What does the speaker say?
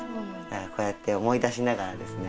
こうやって思い出しながらですね